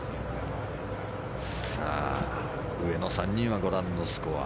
上の３人はご覧のスコア。